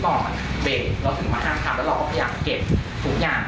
เบรกเราถึงมาข้างทางแล้วเราก็พยายามเก็บทุกอย่าง